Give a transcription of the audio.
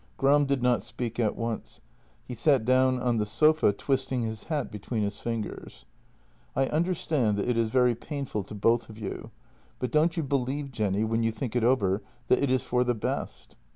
Gram did not speak at once; he sat down on the sofa, twist ing his hat between his fingers: " I understand that it is very painful to both of you, but don't you believe, Jenny, when you think it over, that it is for the best